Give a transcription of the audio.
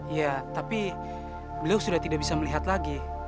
iya tapi beliau sudah tidak bisa melihat lagi